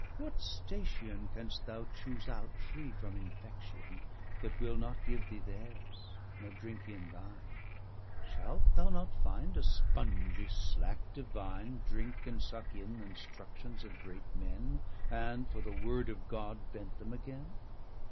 what station 325 Canst thou choose out, free from infection, That will not give thee theirs, nor drinke in thine? Shalt thou not finde a spungie slacke Divine Drinke and sucke in th'instructions of Great men, And for the word of God, vent them agen?